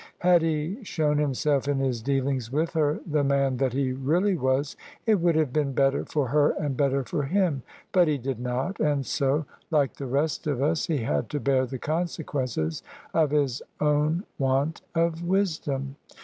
Had he shown himself in his dealings with her the man that he really was, it would have been better for her and better for him: but he did not: and so — ^like the rest of us — he had to bear the consequences of his own want of wisdom.